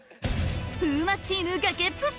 風磨チーム崖っぷち！